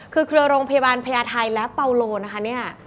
คือเครือโรงพยาบาลแพทย์ไทยและเปาโลว์นะคะ